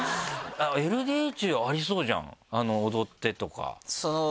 ＬＤＨはありそうじゃん踊ってとか。